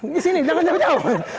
di sini jangan nyapa nyapa